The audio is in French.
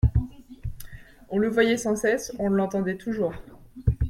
On le voyait sans cesse, on l'entendait toujours.